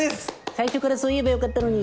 最初からそう言えば良かったのに。